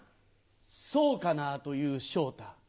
「そうかな」と言う昇太。